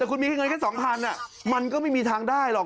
แต่คุณมีเงินแค่๒๐๐บาทมันก็ไม่มีทางได้หรอก